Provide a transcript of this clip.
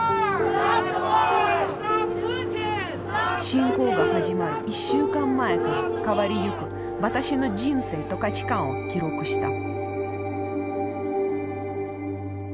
侵攻が始まる１週間前から変わりゆく私の人生と価値観を記録した。